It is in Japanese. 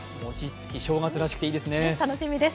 正月らしくていいですね。